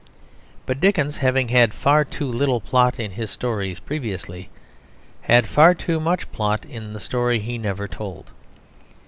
But Dickens, having had far too little plot in his stories previously, had far too much plot in the story he never told.